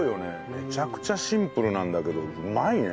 めちゃくちゃシンプルなんだけどうまいね。